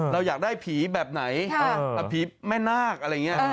เราอยากได้ผีแบบไหนผีแม่นาคอะไรอย่างนี้